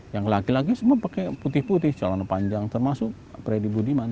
yang laki laki semua pakai putih putih celana panjang termasuk freddy budiman